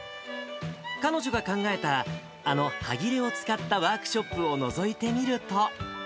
彼女が考えた、あのはぎれを使ったワークショップをのぞいてみると。